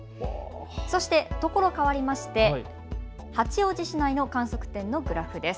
そしてところ変わって八王子市内の観測点のグラフです。